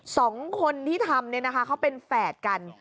สองคนที่ทำเนี่ยนะคะเขาเป็นแฝดกัน